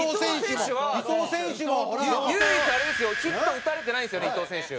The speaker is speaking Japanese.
伊藤選手は唯一あれですよヒット打たれてないんですよね伊藤選手。